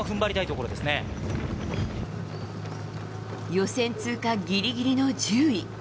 予選通過ギリギリの１０位。